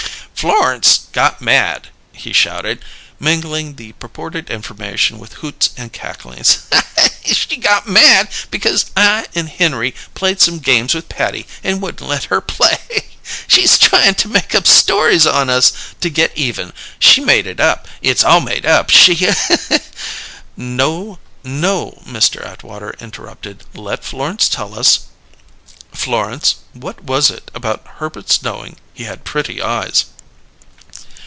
"Florence got mad!" he shouted, mingling the purported information with hoots and cacklings. "She got mad because I and Henry played some games with Patty and wouldn't let her play! She's tryin' to make up stories on us to get even. She made it up! It's all made up! She " "No, no," Mr. Atwater interrupted. "Let Florence tell us. Florence, what was it about Herbert's knowing he had 'pretty eyes'?"